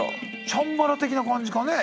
チャンバラ的な感じかね